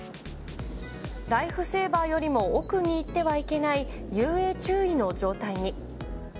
ライフセーバーよりも奥に行ってはいけない遊泳注意の状態に。